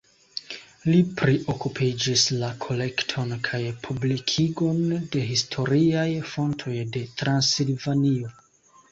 Li priokupiĝis la kolekton kaj publikigon de historiaj fontoj de Transilvanio.